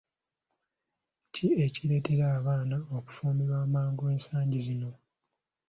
Ki ekireetera abaana okufumbirwa amangu ensangi zino?